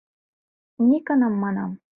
Никоным, манам.